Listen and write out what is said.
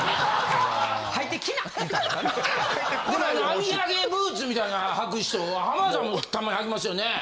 編み上げブーツみたいなの履く人浜田さんもたまに履きますよね？